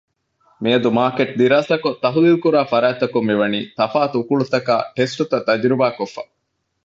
މިއަދު މާރކެޓް ދިރާސާކޮށް ތަޙްލީލުކުރާ ފަރާތްތަކުން މިވަނީ ތަފާތު އުކުޅުތަކާއި ޓެސްޓްތައް ތަޖުރިބާކޮށްފަ